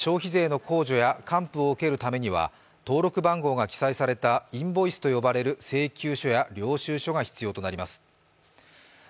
１０月から事業者が消費税の控除や還付を受けるためには登録番号が記載されたインボイスと呼ばれる請求書や領収書が必要となります。